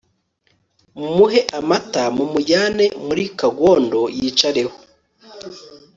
mumuhe amata, mumujyane muri kagondo yicareho